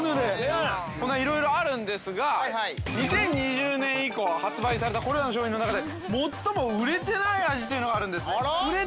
◆いろいろあるんですが、２０２０年以降発売されたこれらの商品の中で、最も売れてない味というのがあるんです。